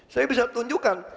saya bisa tunjukkan